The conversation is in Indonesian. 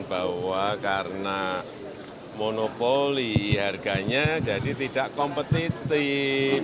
dan bahwa karena monopoli harganya jadi tidak kompetitif